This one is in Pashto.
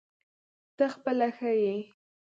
ته خپله ښه یې ؟